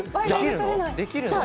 できるの？